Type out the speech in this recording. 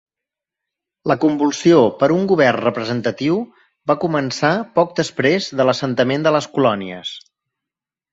La convulsió per un govern representatiu va començar poc després de l'assentament de les colònies.